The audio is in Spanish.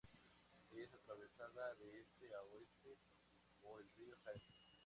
Es atravesada de este a oeste por el río Segre.